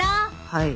はい。